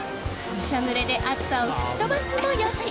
びしょぬれで暑さを吹き飛ばすもよし。